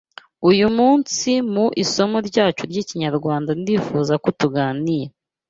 Uyu munsi mu isomo ryacu ry’Ikinyarwanda ndifuza ko tuganira